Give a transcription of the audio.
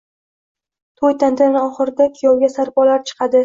to’y tantana oxirida kuyovga sarpolar chiqadi.